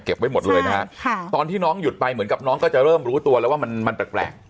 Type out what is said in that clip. ไว้หมดเลยนะฮะค่ะตอนที่น้องหยุดไปเหมือนกับน้องก็จะเริ่มรู้ตัวแล้วว่ามันมันแปลก